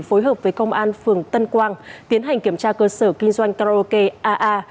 phối hợp với công an phường tân quang tiến hành kiểm tra cơ sở kinh doanh karaoke aa